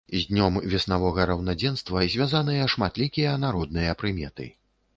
З днём веснавога раўнадзенства звязаныя шматлікія народныя прыметы.